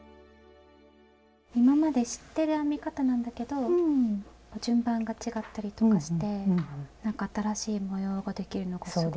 今まで知ってる編み方なんだけど順番が違ったりとかしてなんか新しい模様ができるのがすごい不思議だなと思います。